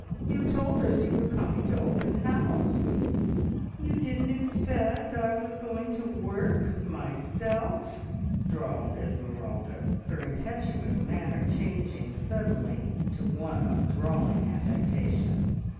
You told us you were coming to open the house!" "You didn't expect I was going to work myself?" drawled Esmeralda, her impetuous manner changing suddenly to one of drawling affectation.